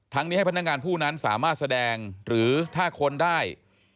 นี้ให้พนักงานผู้นั้นสามารถแสดงหรือถ้าค้นได้